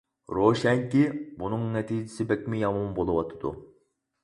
روشەنكى، بۇنىڭ نەتىجىسى بەكمۇ يامان بولۇۋاتىدۇ.